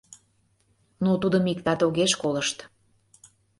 Но тудым иктат огеш колышт.